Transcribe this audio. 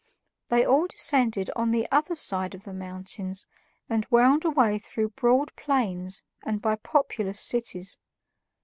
They all descended on the other side of the mountains and wound away through broad plains and by populous cities.